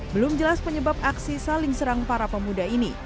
belum jelas penyebab aksi saling serang para pemuda ini